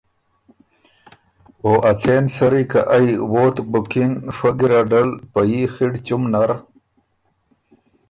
او ا څېن سری که ائ ووتک بُکِن فئ ګیرډل په يي خِړ چُم نر